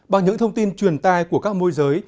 bằng những thông tin truyền tai của các môi giới